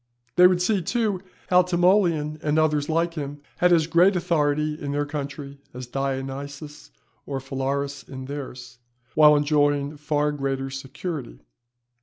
They would see, too, how Timoleon and others like him, had as great authority in their country as Dionysius or Phalaris in theirs, while enjoying far greater security.